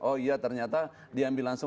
oh iya ternyata diambil langsung